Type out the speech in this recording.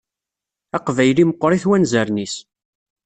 Aqbayli meqqeṛ-it wanzaren-is